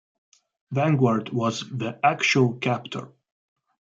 "Vanguard" was the actual captor.